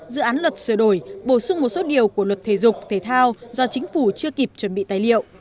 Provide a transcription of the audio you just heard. dự án luật sửa đổi bổ sung một số điều của luật thể dục thể thao do chính phủ chưa kịp chuẩn bị tài liệu